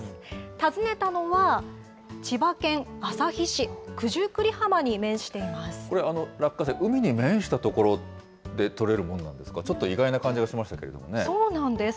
訪ねたのは千葉県旭市、これ、落花生、海に面した所で取れるものなんですか、ちょっと意外な感じがしましたけれどもそうなんです。